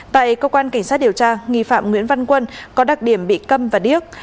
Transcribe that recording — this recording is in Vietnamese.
tại cơ quan cảnh sát điều tra nghi phạm nguyễn văn quân có đặc điểm bị cầm và điếc